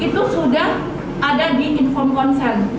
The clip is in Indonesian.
itu sudah ada di inform konsent